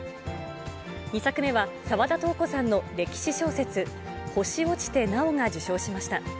２作目は、澤田瞳子さんの歴史小説、星落ちて、なおが受賞しました。